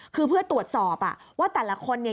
คือเพื่อตรวจสอบว่าแต่ละคนเนี่ย